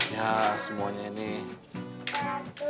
ya semuanya nih